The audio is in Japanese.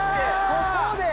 ここで！